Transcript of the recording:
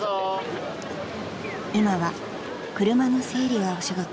［今は車の整理がお仕事］